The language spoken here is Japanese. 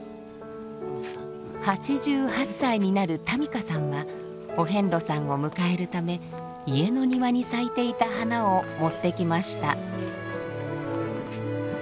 ８８歳になる民香さんはお遍路さんを迎えるため家の庭に咲いていた花を持ってきました。